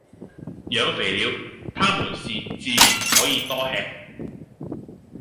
養肥了，他們是自然可以多喫；